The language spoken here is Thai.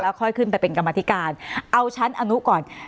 ค่อยขึ้นไปเป็นกรรมธิการเอาชั้นอนุก่อน